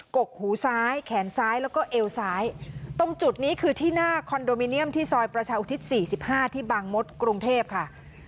กกหูซ้ายแขนซ้ายแล้วก็เอวซ้ายตรงจุดนี้คือที่หน้าคอนโดมิเนียมที่ซอยประชาอุทิศ๔๕ที่บางมดกรุงเทพค่ะ